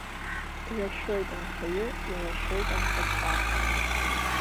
Драшәоит анхаҩы, ирашәоит анхацәа.